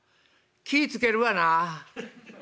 気ぃ付けるわな」。